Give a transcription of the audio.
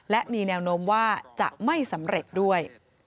และมีแนวโน้มว่าจะไม่สำเร็จด้วย